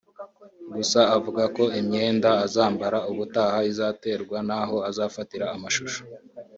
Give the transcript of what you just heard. Gusa avuga ko imyenda azambara ubutaha izaterwa n’aho azafatira amashusho